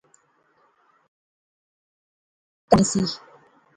تختیا اُپر کالخ ملی نی ہونی سی